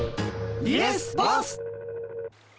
イエスボス！